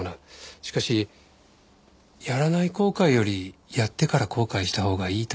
しかしやらない後悔よりやってから後悔したほうがいいと言うでしょ？